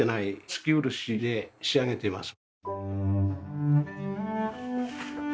透漆で仕上げてます